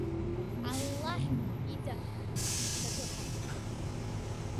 Аллаҳ ида нцәа дыҟам.